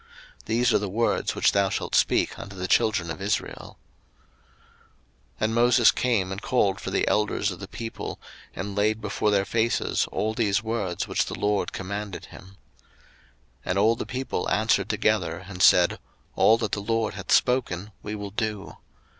These are the words which thou shalt speak unto the children of Israel. 02:019:007 And Moses came and called for the elders of the people, and laid before their faces all these words which the LORD commanded him. 02:019:008 And all the people answered together, and said, All that the LORD hath spoken we will do.